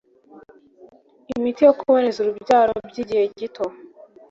imiti yo kuboneza urubyaro by’igihe gito